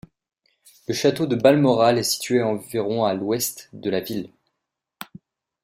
Le château de Balmoral est situé à environ à l'ouest de la ville.